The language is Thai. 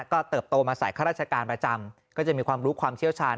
ก็เติบโตมาใส่ข้าราชการประจำก็จะมีความรู้ความเชี่ยวชาญ